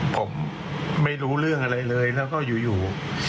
ผมไม่รู้เรื่องอะไรเลยแล้วก็อยู่